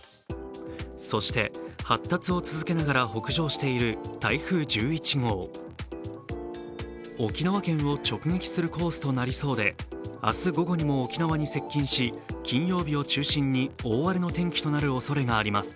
そして発達を続けながら北上している台風１１号沖縄県を直撃するコースとなりそうで、明日午後にも沖縄に接近し、金曜日を中心に大荒れの天気となるおそれがあります。